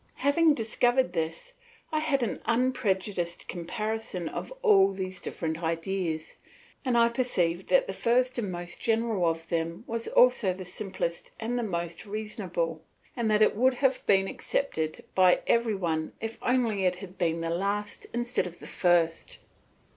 Having discovered this, I made an unprejudiced comparison of all these different ideas, and I perceived that the first and most general of them was also the simplest and the most reasonable, and that it would have been accepted by every one if only it had been last instead of first.